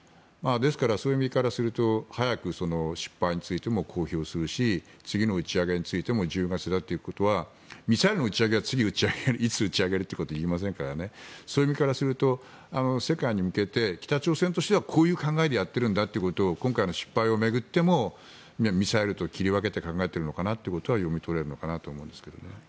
そういう意味からすると早く失敗についても公表するし次の打ち上げについても１０月だということはミサイルの打ち上げは次にいつ打ち上げるということは言いませんからそういう意味からすると世界に向けて、北朝鮮としてはこういう考えでやってるんだということを今回の失敗を巡ってもミサイルと切り分けて考えているのかなということは読み取れるのかなと思うんですけどね。